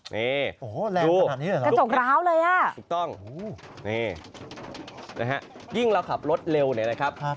นี่ดูลูกถูกต้องนี่นะครับยิ่งเราขับรถเร็วนะครับ